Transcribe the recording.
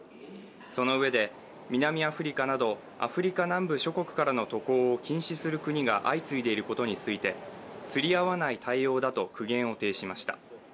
そのうえで南アフリカなどアフリカ南部諸国からの渡航を禁止する国が相次いでいることについて、釣り合わない対応だと苦言を呈しました。